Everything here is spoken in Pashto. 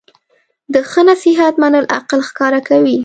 د ښه نصیحت منل عقل ښکاره کوي.